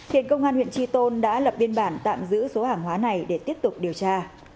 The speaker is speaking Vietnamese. hiện công an huyện tri tôn đã lập biên bản tạm giữ số hàng hóa này để tiếp tục điều tra